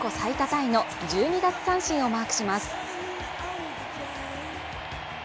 タイの１２奪三振をマークします。